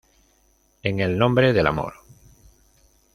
En el Nombre del Amor".